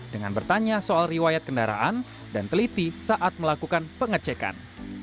dengan bertanya soal riwayat kendaraan dan teliti saat melakukan pengecekan